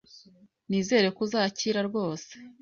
Nizere ko uzakira rwose